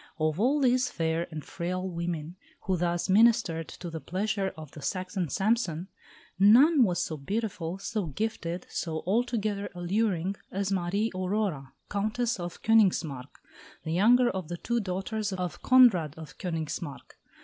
Of all these fair and frail women who thus ministered to the pleasure of the "Saxon Samson," none was so beautiful, so gifted, so altogether alluring as Marie Aurora, Countess of Königsmarck, the younger of the two daughters of Conrad of Königsmarck.